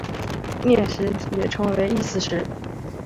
念食也称为意思食。